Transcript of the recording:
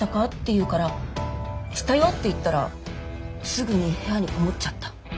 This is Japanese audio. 言うから「したよ」って言ったらすぐに部屋にこもっちゃった。